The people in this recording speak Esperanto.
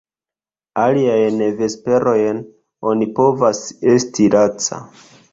Aliajn vesperojn oni povas esti laca.